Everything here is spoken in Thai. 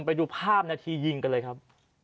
ไปดูภาพนาทียิงกันเลยครับ